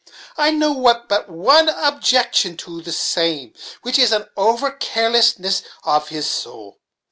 I know of but one objaction to the same, which is an over careless ness about his sowl.